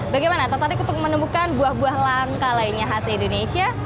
bagaimana tertarik untuk menemukan buah buah langka lainnya khas indonesia